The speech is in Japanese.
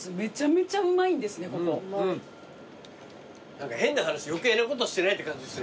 何か変な話余計なことしてないって感じですね。